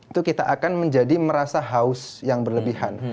itu kita akan menjadi merasa haus yang berlebihan